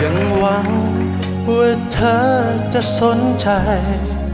หวังว่าเธอจะสนใจ